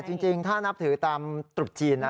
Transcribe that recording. จริงถ้านับถือตามตรุษจีนนะ